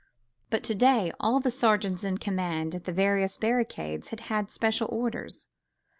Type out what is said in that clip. But to day all the sergeants in command at the various barricades had had special orders.